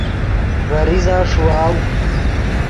ڤے ریزہ ݰیواؤ